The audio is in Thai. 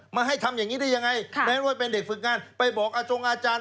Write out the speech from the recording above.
มาให้ทำอย่างนี้ได้ยังไงแม้ว่าเป็นเด็กฝึกงานไปบอกอาจงอาจารย์